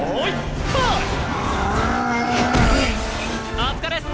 お疲れっス。